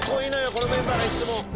このメンバーがいっつも。